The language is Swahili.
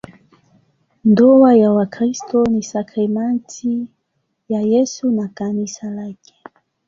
Ndoa ya Wakristo ni sakramenti ya Yesu na Kanisa lake.